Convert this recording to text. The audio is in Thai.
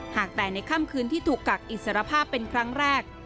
หากแต่ในค่ำคืนที่ถูกกักอิสรภาพเป็นครั้งแรก